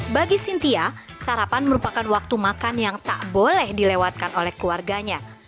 bagi sintia sarapan merupakan waktu makan yang tak boleh dilewatkan oleh keluarganya